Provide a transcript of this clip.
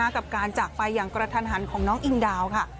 กับการจากไปอย่างกระทันหันของน้องอิงดาวค่ะ